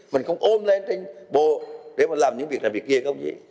mình không ôm lên trên bộ để mà làm những việc làm việc kia không gì